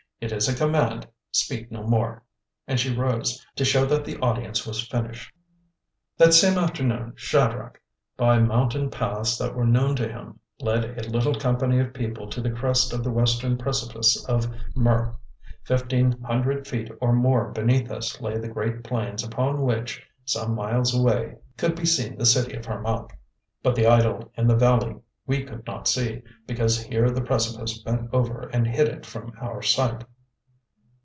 It is a command, speak no more," and she rose, to show that the audience was finished. That same afternoon Shadrach, by mountain paths that were known to him, led a little company of people to the crest of the western precipice of Mur. Fifteen hundred feet or more beneath us lay the great plains upon which, some miles away, could be seen the city of Harmac. But the idol in the valley we could not see, because here the precipice bent over and hid it from our sight.